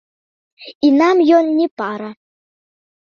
І нам ён не пара.